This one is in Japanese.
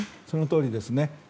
そのとおりです。